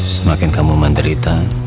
semakin kamu menderita